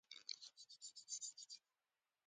له کومه ځایه به واری راباندې وکړي.